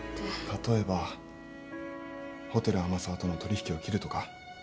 例えばホテル天沢との取引を切るとか。